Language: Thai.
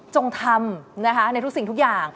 จงทำในทุกสิ่งทุกอย่าง